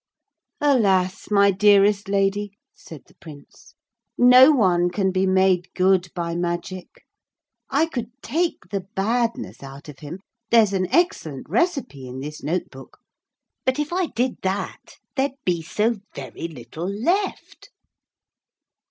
'Alas, my dearest Lady,' said the Prince, 'no one can be made good by magic. I could take the badness out of him there's an excellent recipe in this note book but if I did that there'd be so very little left.'